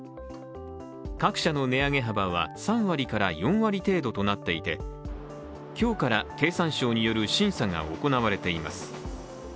各社の値上げ幅は３割から４割程度となっていて今日から経産省による審査が行われています。